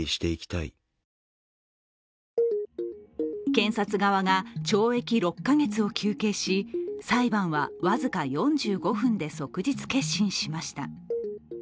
検察側は懲役６か月を求刑し、裁判は僅か４５分で即日結審しました。